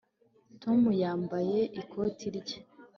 Tom yambaye ikoti rye